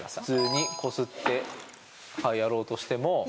普通にこすってやろうとしても。